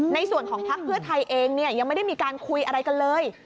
ในส่วนของพักเพื่อไทยเองเนี่ยยังไม่ได้มีการคุยอะไรกันเลย